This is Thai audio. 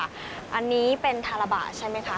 อันนี้เป็นทาระบะใช่ไหมคะ